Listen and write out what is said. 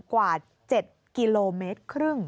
กว่า๗กิโลเมตรครึ่ง